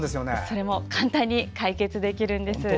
それも簡単に解決できるんです。